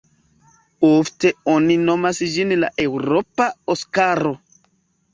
Ofte oni nomas ĝin la "eŭropa Oskaro".